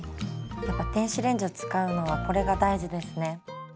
やっぱ電子レンジを使うのはこれが大事ですね。